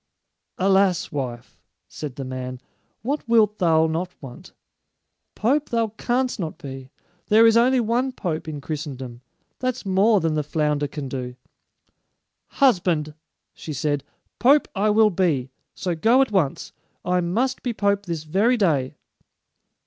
"Alas, wife," said the man, "what wilt thou not want? Pope thou canst not be. There is only one pope in Christendom. That's more than the flounder can do." "Husband," she said, "pope I will be; so go at once. I must be pope this very day."